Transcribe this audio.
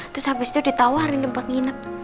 terus abis itu ditawarin buat nginep